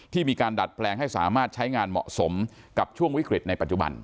มีการดัดแปลงให้สามารถใช้งานเหมาะสมกับช่วงวิกฤตในปัจจุบัน